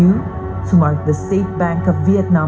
untuk memarkas bank negara vietnam